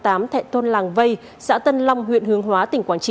thẻ tôn làng vây xã tân lâm huyện hướng hóa tỉnh quảng trị